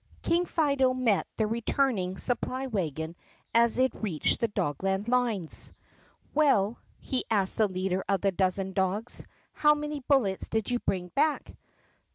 K ING Fido met the returning supply wagon as it reached the Dogland lines. "Well," he asked the leader of the dozen dogs, "how many bullets did you bring back?"